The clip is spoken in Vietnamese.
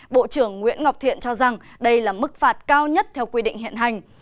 bộ trưởng nguyễn ngọc thiện cho rằng đây là mức phạt cao nhất theo quy định hiện hành